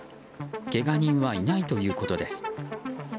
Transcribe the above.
けが人はいないということです。